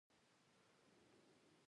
تعلیق خط؛ د خط یو ډول دﺉ.